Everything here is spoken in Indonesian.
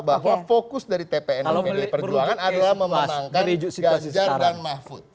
bahwa fokus dari tpn pdi perjuangan adalah memenangkan ganjar dan mahfud